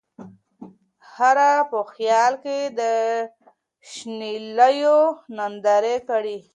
خره په خیال کی د شنېلیو نندارې کړې